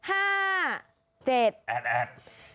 แอดแอด